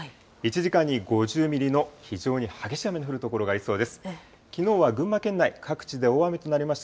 １時間に５０ミリの非常に激しい雨の降る所がありそうです。